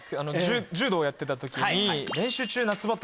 柔道やってた時に。